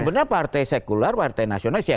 sebenarnya partai sekuler partai nasionalis ya